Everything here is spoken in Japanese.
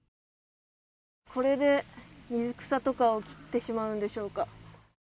これで水草とかを切ってしまうんでしょうか。